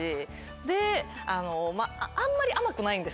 であんまり甘くないんですよ